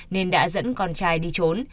nên đã dẫn con trai đi trốn